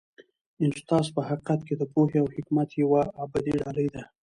استاد په حقیقت کي د پوهې او حکمت یوه ابدي ډالۍ ده.